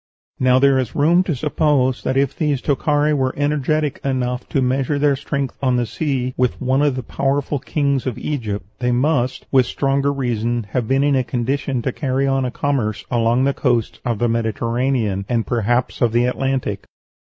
Now there is room to suppose that if these Tokhari were energetic enough to measure their strength on the sea with one of the powerful kings of Egypt, they must, with stronger reason, have been in a condition to carry on a commerce along the coasts of the Mediterranean, and perhaps of the Atlantic.